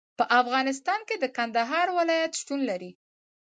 په افغانستان کې د کندهار ولایت شتون لري.